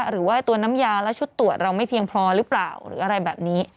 หรือว่าตัวน้ำยาและชุดตรวจเราไม่เพียงพอหรือเปล่าหรืออะไรแบบนี้